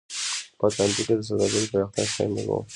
په اتلانتیک کې د سوداګرۍ پراختیا شامل و.